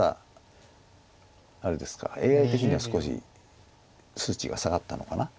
ＡＩ的には少し数値が下がったのかな。